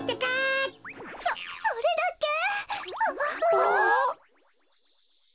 ああ？